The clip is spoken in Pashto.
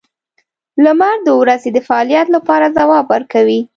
• لمر د ورځې د فعالیت لپاره ځواب ورکوي.